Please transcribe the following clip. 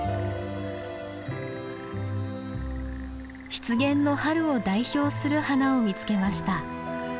湿原の春を代表する花を見つけました。